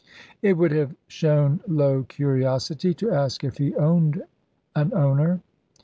It would have shown low curiosity to ask if he owned an owner.